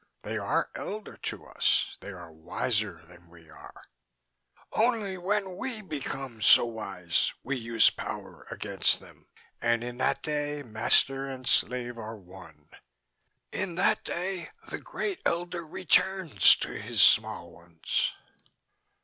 They are elder to us: they are wiser than we are. Only when we become so wise we use power against them, and in that day master and slave are one. In that day the Great Elder returns to his small ones.